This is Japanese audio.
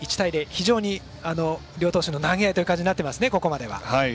非常に両投手の投げ合いという感じになってますね、ここまでは。